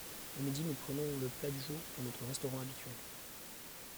Le midi, nous prenons le plat du jour dans notre restaurant habituel.